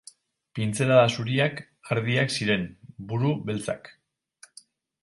Pintzelada zuriak ardiak ziren, buru beltzak.